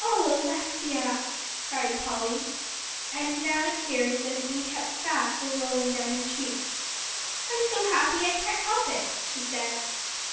"Oh Alexia!" cried Polly. And now the tears that had been kept back, were rolling down her cheeks. "I'm so happy, I can't help it," she said.